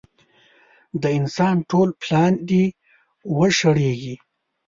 د انسان ټول پلان دې وشړېږي.